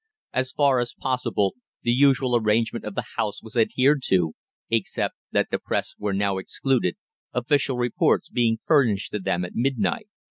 As far as possible the usual arrangement of the House was adhered to, except that the Press were now excluded, official reports being furnished to them at midnight.